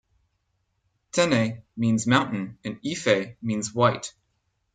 "Tene" means "mountain" and "ife" means "white".